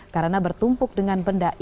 karena bertumpuk dengan benda eksternal